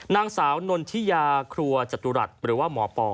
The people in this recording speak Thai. นางสาวนนทิยาครัวจตุรัสหรือว่าหมอปอ